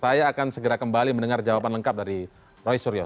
saya akan segera kembali mendengar jawaban lengkap dari roy suryo